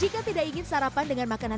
kupat tahu gempol